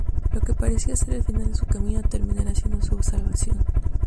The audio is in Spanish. Lo que parecía ser el final de su camino terminará siendo su salvación.